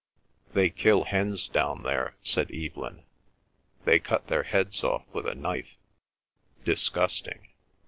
"They kill hens down there," said Evelyn. "They cut their heads off with a knife—disgusting!